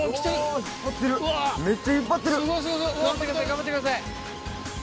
頑張ってください。